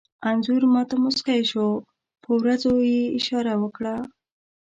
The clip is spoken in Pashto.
انځور ما ته موسکی شو، په وروځو کې یې اشاره وکړه.